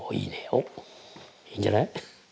おっいいんじゃない？